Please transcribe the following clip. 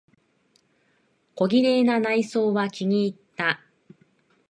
小綺麗な内装は気にいった。